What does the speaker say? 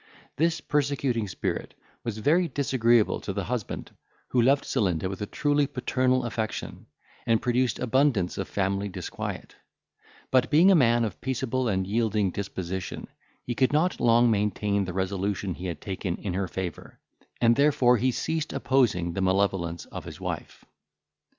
This persecuting spirit was very disagreeable to the husband, who loved Celinda with a truly paternal affection, and produced abundance of family disquiet; but being a man of a peaceable and yielding disposition, he could not long maintain the resolution he had taken in her favour, and therefore he ceased opposing the malevolence of his wife.